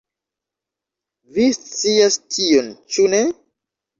Vi scias tion ĉu ne?